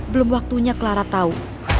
belum waktunya clara tau